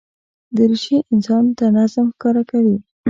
دریشي انسان ته نظم ښکاره کوي.